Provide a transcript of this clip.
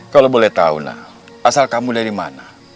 kalau boleh tahu nak asal kamu dari mana